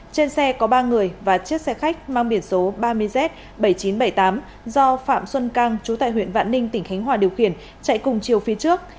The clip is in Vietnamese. trên xe có ba người và chiếc xe khách mang biển số ba mươi z bảy nghìn chín trăm bảy mươi tám do phạm xuân cang chú tại huyện vạn ninh tỉnh khánh hòa điều khiển chạy cùng chiều phía trước